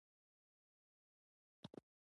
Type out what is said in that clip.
غرونه د افغانستان د دوامداره پرمختګ لپاره اړین دي.